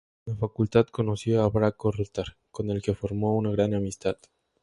En la facultad conoció a Braco Rotar, con el que formó una gran amistad.